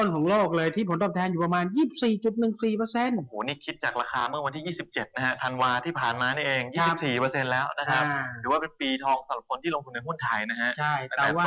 ของแครกก็จะถูกเป็นปีทองสินทรัพย์ที่ลงทุนธุเทศหุ้นไทยนะครับ